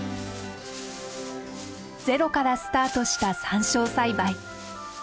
ゼロからスタートしたサンショウ栽培。